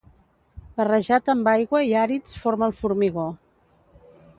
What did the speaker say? Barrejat amb aigua i àrids forma el formigó.